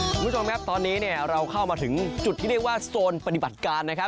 คุณผู้ชมครับตอนนี้เนี่ยเราเข้ามาถึงจุดที่เรียกว่าโซนปฏิบัติการนะครับ